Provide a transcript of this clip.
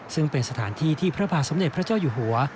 ซึ่งเป็นสถานที่ที่พระบาทสมเด็จพระเจ้าอยู่หัว